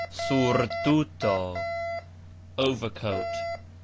surtuto : overcoat.